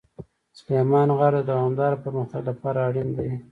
سلیمان غر د دوامداره پرمختګ لپاره اړین دی.